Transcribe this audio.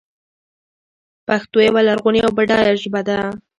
پښتو یوه لرغونې او بډایه ژبه ده.